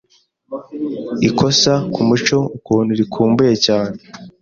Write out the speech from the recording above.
Ikosa kumucyo ukuntu rikumbuye cyane